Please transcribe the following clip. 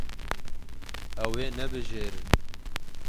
Ew ê nebijêrin.